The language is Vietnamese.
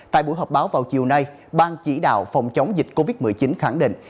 tại buổi họp báo vào chiều nay ban chỉ đạo phòng chống dịch covid một mươi chín khẳng định